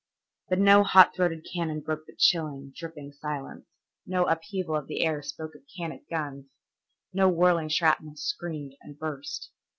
But no hot throated cannon broke the chilling, dripping, silence, no upheaval of the air spoke of Canet guns, no whirling shrapnel screamed and burst.